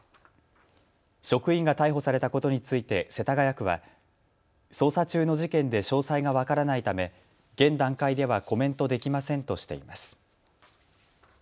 職員が逮捕されたことについて世田谷区は捜査中の事件で詳細が分からないため現段階ではコメントできませんとしています。